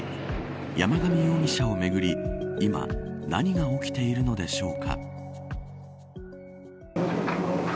山上容疑者をめぐり今、何が起きているのでしょうか。